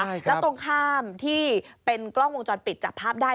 แล้วตรงข้ามที่เป็นกล้องวงจรปิดจับภาพได้